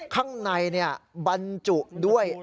ข้างในบรรจุด้วย